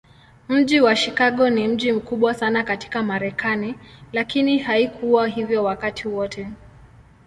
Mji wa Chicago ni mji mkubwa sana katika Marekani, lakini haikuwa hivyo wakati wote.